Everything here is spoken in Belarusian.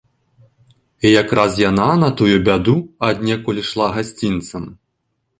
І якраз яна, на тую бяду, аднекуль ішла гасцінцам.